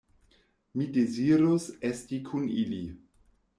Mi dezirus esti kun ili.